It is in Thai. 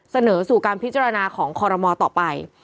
เสนอสู่การพิจารณาของคอรมอต่อไป